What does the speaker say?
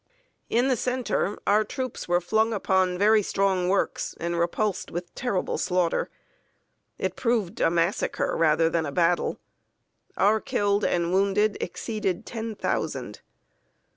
In the center, our troops were flung upon very strong works, and repulsed with terrible slaughter. It proved a massacre rather than a battle. Our killed and wounded exceeded ten thousand.